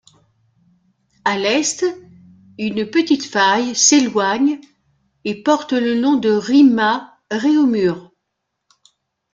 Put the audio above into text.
À l'est, une petite faille s'éloigne et porte le nom de Rima Réaumur.